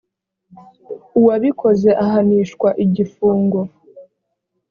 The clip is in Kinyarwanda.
uwabikoze ahanishwa igifungo